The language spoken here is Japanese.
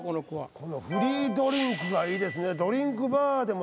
この「フリードリンク」がいいですね。